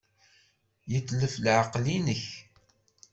Yetlef leɛqel-nnek.